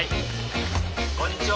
こんにちは。